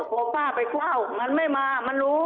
พอป้าไปเฝ้ามันไม่มามันรู้